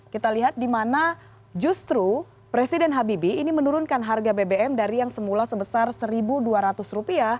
kita lihat di mana justru presiden habibie ini menurunkan harga bbm dari yang semula sebesar rp satu dua ratus